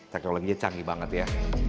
teknologinya canggih banget ya